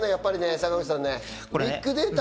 坂口さん。